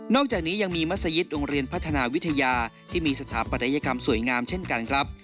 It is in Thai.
อกจากนี้ยังมีมัศยิตโรงเรียนพัฒนาวิทยาที่มีสถาปัตยกรรมสวยงามเช่นกันครับ